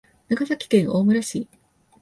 長崎県大村市